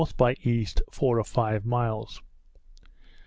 by east, four or five miles.